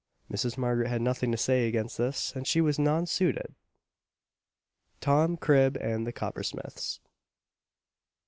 Mrs. Margaret had nothing to say against this, and she was non suited. TOM CRIB AND THE COPPERSMITHS.